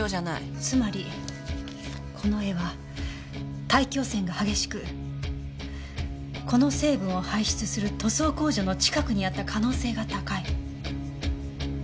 つまりこの絵は大気汚染が激しくこの成分を排出する塗装工場の近くにあった可能性が高い。